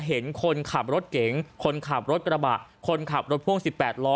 เห็นคนขับรถเก๋งคนขับรถกระบะคนขับรถพ่วง๑๘ล้อ